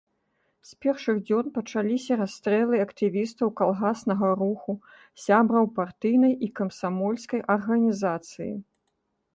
З першых дзён пачаліся расстрэлы актывістаў калгаснага руху, сябраў партыйнай і камсамольскай арганізацыі.